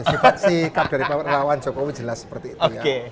sifat dari relawan jokowi jelas seperti itu